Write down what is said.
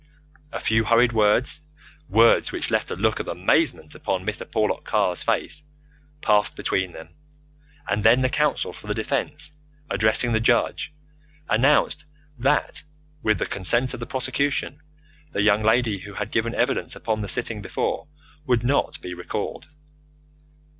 A few hurried words words which left a look of amazement upon Mr. Porlock Carr's face passed between them, and then the counsel for the defence, addressing the Judge, announced that, with the consent of the prosecution, the young lady who had given evidence upon the sitting before would not be recalled.